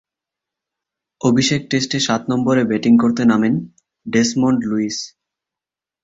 অভিষেক টেস্টে সাত নম্বরে ব্যাটিং করতে নামেন ডেসমন্ড লুইস।